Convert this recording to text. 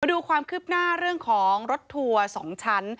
ดูความคืบหน้าเรื่องของรถทัวร์๒ชั้น